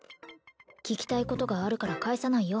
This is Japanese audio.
聞きたいことがあるから帰さないよ